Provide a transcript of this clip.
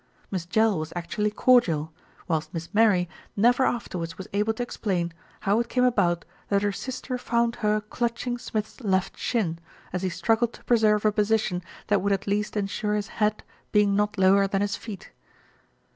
Miss Jell was actually cordial, whilst Miss Mary never afterwards was able to explain how it came about that her sister found her clutching Smith's left shin, as he struggled to preserve a position that would at least ensure his head being not lower than his feet.